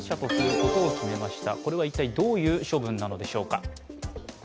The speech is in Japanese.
これは一体どういう処分なのでしょうか。